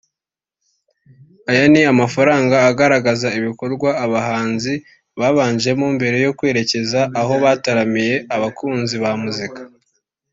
Aya ni amafoto agaragaza ibikorwa abahanzi babanjemo mbere yo kwerekeza aho bataramiye abakunzi ba muzika